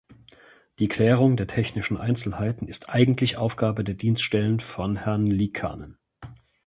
Die Klärung der technischen Einzelheiten ist eigentlich Aufgabe der Dienststellen von Herrn Liikanen.